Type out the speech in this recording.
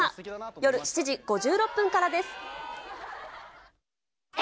夜７時５６分からです。